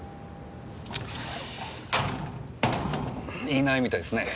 いないみたいっすね。